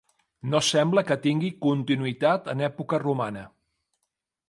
No sembla que tingui continuïtat en època romana.